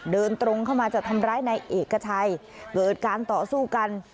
เดินตรงเข้ามาจะทำร้ายนายเอกชัยเกิดการต่อสู้กัน